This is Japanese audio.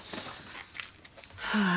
はあ。